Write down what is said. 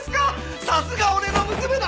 さすが俺の娘だ！